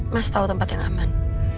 mas tahu tempat yang aman